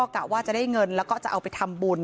กะว่าจะได้เงินแล้วก็จะเอาไปทำบุญ